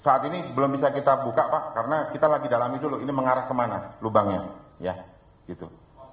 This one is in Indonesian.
saat ini belum bisa kita buka pak karena kita lagi dalami dulu ini mengarah kemana lubangnya ya gitu